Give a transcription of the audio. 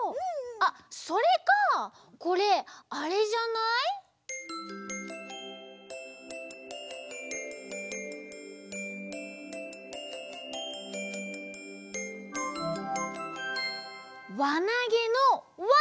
あっそれかこれあれじゃない？わなげのわ！